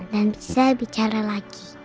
dan bisa bicara lagi